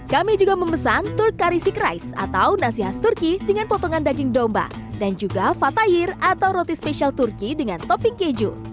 kami juga memesan turk karicik rice atau nasi khas turki dengan potongan daging domba dan juga fatahir atau roti spesial turki dengan topping keju